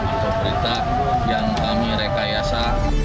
atau berita yang kami rekayasa